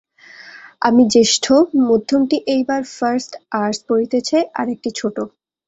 আমি জ্যেষ্ঠ, মধ্যমটি এইবার ফার্ষ্ট আর্টস পড়িতেছে, আর একটি ছোট।